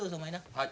はい。